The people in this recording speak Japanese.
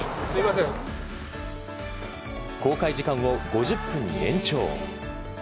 公開時間を５０分延長。